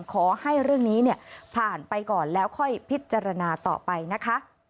ขอให้เรื่องนี้ผ่านไปก่อนแล้วค่อยพิจารณาต่อไปนะคะ